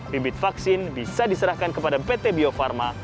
bibit vaksin bisa diserahkan kepada pt bio farma